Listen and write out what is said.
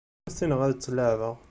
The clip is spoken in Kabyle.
Ur ssineɣ ad tt-leɛbeɣ.